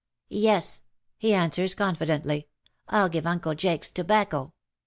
" Yes/^ he answers confidently. " Til give Uncle Jakes tobacco."